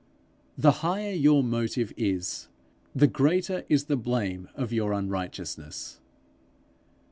The higher your motive for it, the greater is the blame of your unrighteousness.